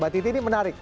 mbak titi ini menarik